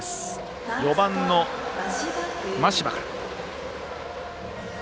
４番の真柴から。